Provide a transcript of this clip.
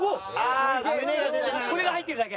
これが入ってるだけ？